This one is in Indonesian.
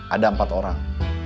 ada empat orang